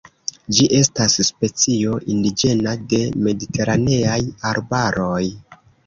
Ĝi estas specio indiĝena de mediteraneaj arbaroj.